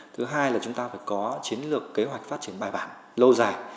thứ hai là chúng ta phải có chiến lược kế hoạch phát triển bài bản lâu dài